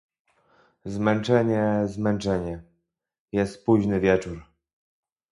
"Zmęczenie, zmęczenie... Jest późny wieczór."